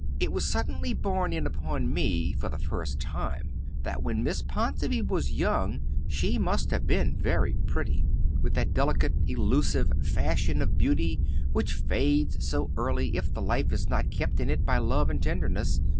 It was suddenly borne in upon me for the first time that, when Miss Ponsonby was young, she must have been very pretty, with that delicate elusive fashion of beauty which fades so early if the life is not kept in it by love and tenderness.